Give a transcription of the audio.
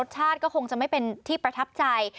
ชาติก็คงจะไม่เป็นที่ประทับใจ